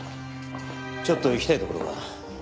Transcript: ちょっと行きたい所が。